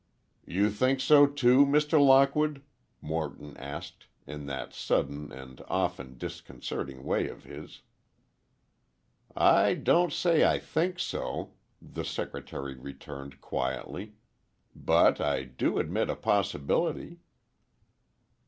"You think so, too, Mr. Lockwood?" Morton asked, in that sudden and often disconcerting way of his. "I don't say I think so," the secretary returned, quietly, "but I do admit a possibility."